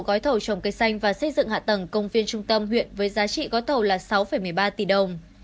gói thầu trồng cây xanh và xây dựng hạ tầng công viên trung tâm huyện với giá trị gói thầu là sáu một mươi ba tỷ đồng